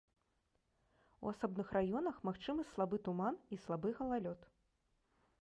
У асобных раёнах магчымы слабы туман і слабы галалёд.